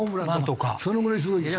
そのぐらいすごいですよ。